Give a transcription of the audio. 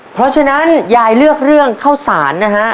เพราะฉะนั้นยายเลือกเรื่องข้าวสารนะฮะ